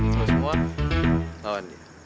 kalau semua lawan dia